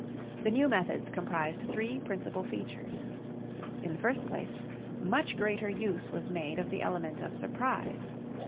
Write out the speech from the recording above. The new methods comprised three principal features. In the first place, much greater use was made of the element of surprise.